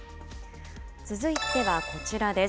続いてはこちらです。